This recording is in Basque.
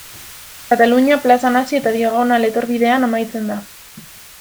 Katalunia plazan hasi eta Diagonal etorbidean amaitzen da.